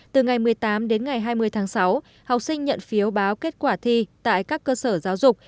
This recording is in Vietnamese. từ ngày một mươi tám đến ngày hai mươi tháng sáu học sinh nhận phiếu báo kết quả thi tại các cơ sở giáo dục